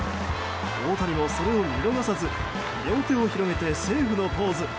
大谷もそれを見逃さず両手を広げてセーフのポーズ。